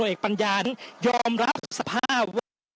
โนเอกปรรญญาณยอมรับสภาพ